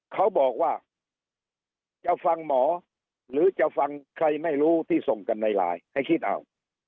เขาบอกว่าจะฟังหมอหรือจะฟังใครไม่รู้ที่ส่งกันในไลน์ให้คิดเอา